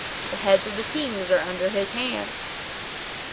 * The heads of the Kings are under his hand!"